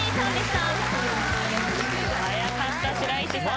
早かった白石さん。